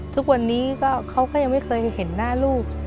ทุกวันนี้เขาก็ยังไม่เคยเห็นหน้าลูก